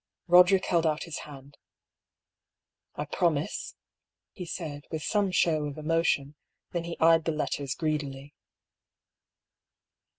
Boderick held out his hand. " I promise," he said, with some show of emotion ; then he eyed the letters greedily.